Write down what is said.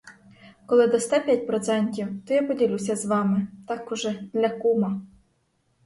Коли дасте п'ять процентів, то я поділюся з вами, так уже, для кума.